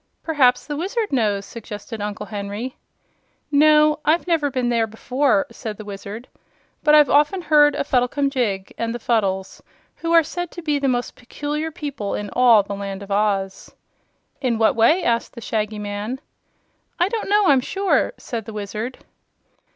"Perhaps the Wizard knows," suggested Uncle Henry. "No; I've never been there before," said the Wizard. "But I've often heard of Fuddlecumjig and the Fuddles, who are said to be the most peculiar people in all the Land of Oz." "In what way?" asked the Shaggy Man. "I don't know, I'm sure," said the Wizard.